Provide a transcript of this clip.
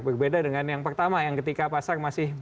berbeda dengan yang pertama yang ketika pasar masih